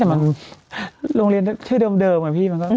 แต่มันโรงเรียนที่เดิมอะพี่มันก็